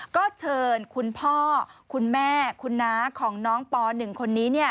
ก็เชิญคุณพ่อคุณแม่คุณน้าของน้องป๑คนนี้